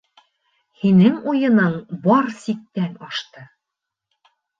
Һинең уйының бар сиктән ашты.